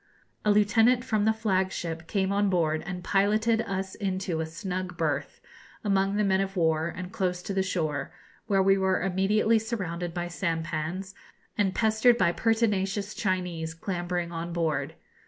A lieutenant from the flag ship came on board and piloted us into a snug berth, among the men of war, and close to the shore, where we were immediately surrounded by sampans, and pestered by pertinacious Chinese clambering on board.